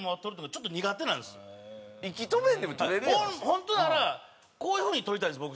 本当ならこういう風に取りたいんです僕。